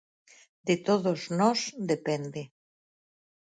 De todos nós depende.